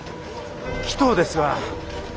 鬼頭ですが。